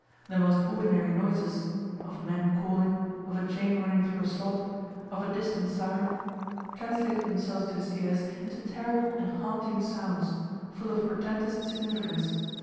The most ordinary noises of men calling, of a chain running through a slot, of a distant siren translated themselves to his ears into terrible and haunting sounds, full of portentous significance.